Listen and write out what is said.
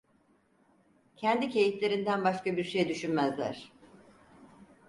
Kendi keyiflerinden başka bir şey düşünmezler…